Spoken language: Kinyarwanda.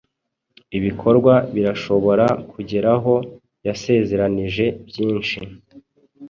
Ibikorwa birashobora kugeraho yasezeranije byinshi